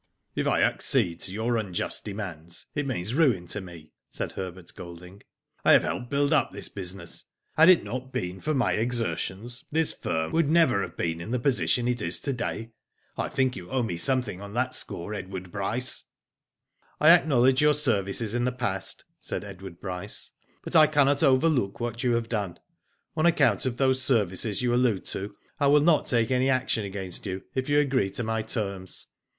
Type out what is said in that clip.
*'" If I accede to your unjust demands it means ruin to me," said Herbert Golding. *' I have helped to build up this business. Had it not been for my ejtertions this firm would never have been in the Digitized byGoogk FACE TO FACE. 233 position it is to day. I think you owe me some thing on that score, Edward Bryce." *' I acknowledge your services in the past," said Edward Bryce; but I cannot overlook what you have done. On account of those services you allude to I will not take any action against you if you agree to my terms.